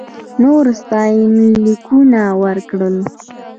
نورو ستاینلیکونه ورکړل.